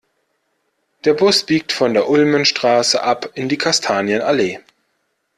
Der Bus biegt von der Ulmenstraße ab in die Kastanienallee.